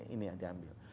ini yang diambil